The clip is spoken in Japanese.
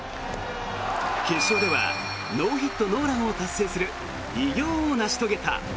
決勝ではノーヒット・ノーランを達成する偉業を成し遂げた。